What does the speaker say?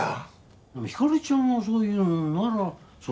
でもひかりちゃんがそう言うんならそうかもな。